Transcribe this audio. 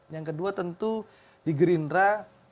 yang kedua tentu di gerindra kita juga berkembang